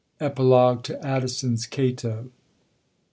6^ Epilogue to Abdison's Cato.